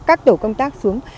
các tổ công tác xuống